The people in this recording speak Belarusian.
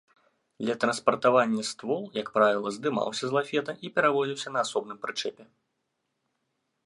Для транспартавання ствол, як правіла, здымаўся з лафета і перавозіўся на асобным прычэпе.